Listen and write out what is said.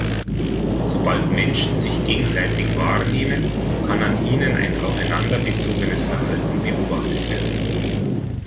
Sobald Menschen sich gegenseitig wahrnehmen, kann an ihnen ein aufeinander bezogenes Verhalten beobachtet werden.